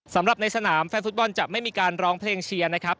สำหรับในสนามแฟนฟุตบอลจะไม่มีการร้องเพลงเชียร์นะครับ